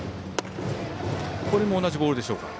これも同じボールでしょうか。